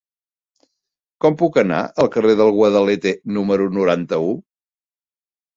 Com puc anar al carrer del Guadalete número noranta-u?